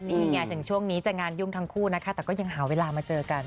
นี่ไงถึงช่วงนี้จะงานยุ่งทั้งคู่นะคะแต่ก็ยังหาเวลามาเจอกัน